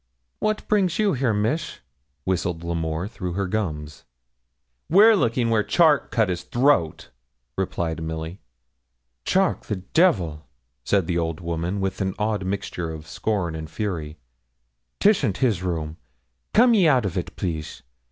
'What brings you here, miss?' whistled L'Amour through her gums. 'We're looking where Charke cut his throat,' replied Milly. 'Charke the devil!' said the old woman, with an odd mixture of scorn and fury. ''Tisn't his room; and come ye out of it, please.